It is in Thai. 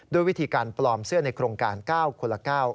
ด้วยวิธีการปลอมเสื้อในโครงการ๙คนละ๙